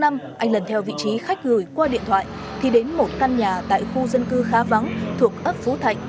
anh lần theo vị trí khách gửi qua điện thoại thì đến một căn nhà tại khu dân cư khá vắng thuộc ấp phú thạnh